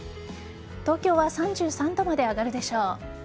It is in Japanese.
東京は３３度まで上がるでしょう。